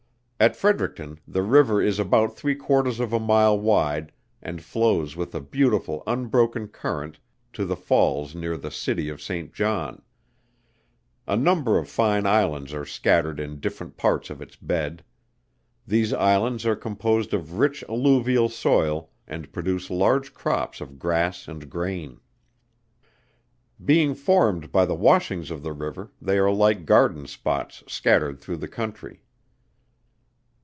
At Fredericton the river is about three quarters of a mile wide, and flows with a beautiful unbroken current to the falls near the City of Saint John. A number of fine Islands are scattered in different parts of its bed. These Islands are composed of rich alluvial soil, and produce large crops of grass and grain. Being formed by the washings of the river, they are like garden spots scattered through the country.